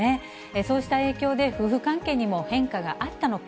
そうした影響で、夫婦関係にも、変化があったのか。